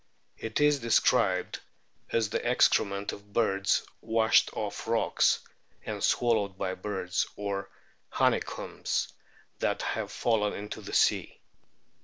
It is described as the excrement of birds washed off rocks and swallowed by birds, or honeycombs that have fallen into the sea.